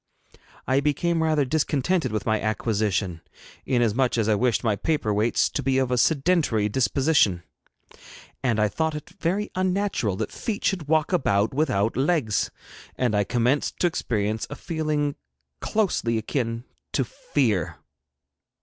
I became rather discontented with my acquisition, inasmuch as I wished my paper weights to be of a sedentary disposition, and thought it very unnatural that feet should walk about without legs, and I commenced to experience a feeling closely akin to fear.